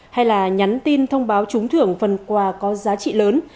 hay là nhắn tin thông báo trúng thưởng phần quà có giá trị lớn